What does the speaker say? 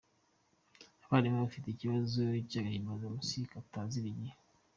Abarimu bafite ikibazo cy’agahimbazamusyi katazira igihe.